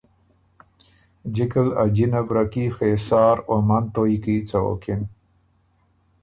جِکه ل ا جِنه برکي خېسار او منتویٛ کی څوکِن